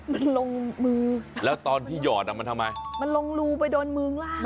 มันลงมือแล้วตอนที่หยอดอ่ะมันทำไมมันลงรูไปโดนมึงล่ะ